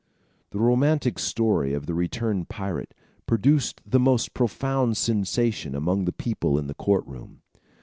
] The romantic story of the returned pirate produced the most profound sensation among the people in the court room.